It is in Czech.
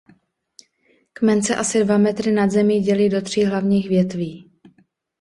Kmen se asi dva metry nad zemí dělí do tří hlavních větví.